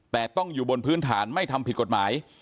แต่ต้องอยู่บนพื้นฐานไม่ทำผิดกฎหมาย